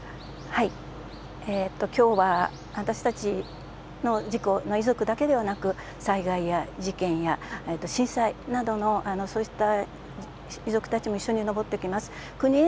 きょうは私たちの事故の遺族だけではなく、災害や事件や震災などのそうした遺族たちも一緒に登ってきます。